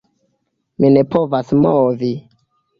Mi ne povas movi.